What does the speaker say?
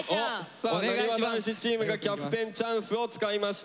さあなにわ男子チームがキャプテンチャンスを使いました。